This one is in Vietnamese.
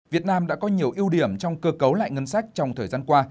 việt nam đã có nhiều ưu điểm trong cơ cấu lại ngân sách trong thời gian qua